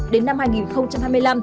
đến năm hai nghìn hai mươi năm